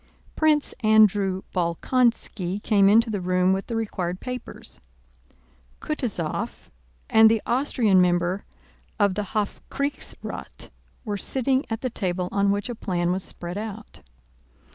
Prince Andrew Bolkónski came into the room with the required papers. Kutúzov and the Austrian member of the Hofkriegsrath were sitting at the table on which a plan was spread out.